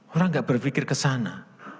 orang enggak berpikir ke sana